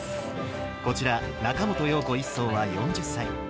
こちら、中元陽子１曹は４０歳。